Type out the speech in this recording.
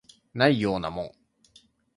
ないようなもん